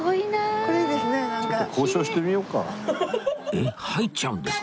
えっ？入っちゃうんですか？